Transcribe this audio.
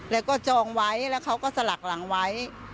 แล้วก็จองไว้แล้วเขาก็สลักหลังไว้